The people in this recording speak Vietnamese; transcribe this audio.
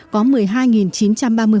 có một mươi hai chín trăm ba mươi hồ sơ